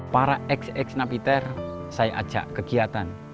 para ex ex napiter saya ajak kegiatan